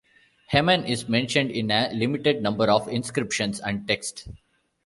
Hemen is mentioned in a limited number of inscriptions and texts.